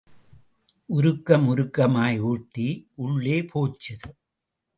உருக்கம் உருக்கமாய் ஊட்டி உள்ளே போச்சுது.